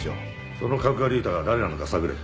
そのカクガリータが誰なのか探れ。